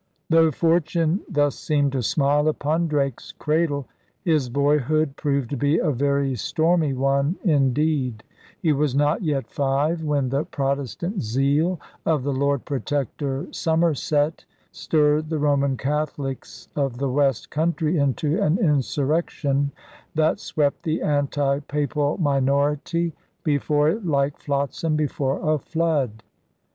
Though fortune thus seemed to smile upon Drake's cradle, his boyhood proved to be a very stormy one indeed. He was not yet five when the Protestant zeal of the Lord Protector Somerset stirred the Roman Catholics of the West Country into an insurrection that swept the anti Papal minority before it like flotsam before a flood.